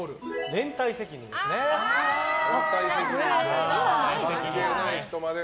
連帯責任で関係ない人まで。